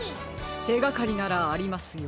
てがかりならありますよ。